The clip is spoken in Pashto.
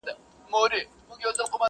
د دې خوب تعبير يې ورکه شیخ صاحبه.